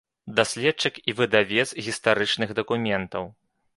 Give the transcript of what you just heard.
Даследчык і выдавец гістарычных дакументаў.